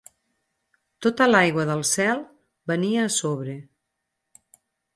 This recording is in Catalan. Tota l'aigua del cel venia a sobre.